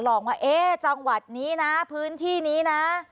ลองว่าเอ๊ะจังหวัดนี้นะพื้นที่นี้นะ